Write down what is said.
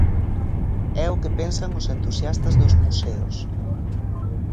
É o que pensan os entusiastas dos museos.